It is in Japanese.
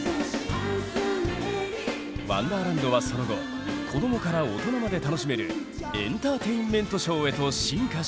ワンダーランドはその後子どもから大人まで楽しめるエンターテインメントショーへと進化していきます。